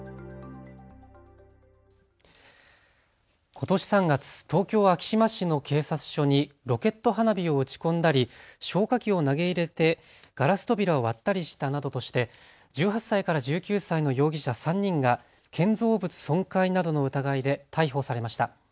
ことし３月、東京昭島市の警察署にロケット花火を打ち込んだり消火器を投げ入れてガラス扉を割ったりしたなどとして１８歳から１９歳の容疑者３人が建造物損壊などの疑いで逮捕されました。